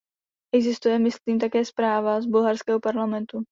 Existuje, myslím, také zpráva z bulharského parlamentu.